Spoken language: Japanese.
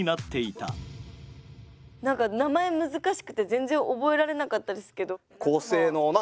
何か名前難しくて全然覚えられなかったですけど。